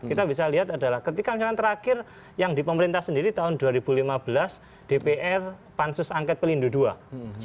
kita bisa lihat adalah ketika misalkan terakhir yang di pemerintah sendiri tahun dua ribu lima belas dpr pansus angket pelindung ii